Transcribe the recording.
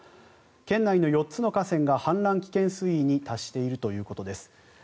県内の４つの河川が氾濫危険水位に達しているということです。